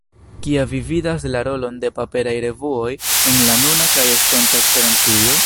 Kia vi vidas la rolon de paperaj revuoj en la nuna kaj estonta Esperantujo?